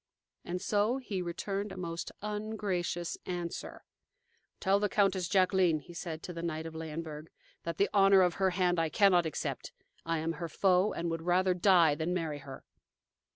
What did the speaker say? And so he returned a most ungracious answer: "Tell the Countess Jacqueline," he said to the knight of Leyenburg, "that the honor of her hand I cannot accept. I am her foe, and would rather die than marry her."